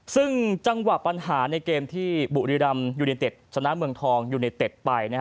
ซึ่งจังหวะปัญหาในเกมที่บุรีรำยูเนเต็ดชนะเมืองทองยูเนเต็ดไป